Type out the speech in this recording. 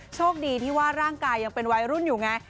โชคดีที่ว่าร่างกายยังเป็นวัยรุ่นอยู่ไง